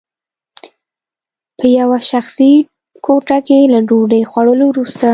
په یوه شخصي کوټه کې له ډوډۍ خوړلو وروسته